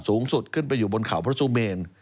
สูงสุดขึ้นไปอยู่บนเขาพระสุเมน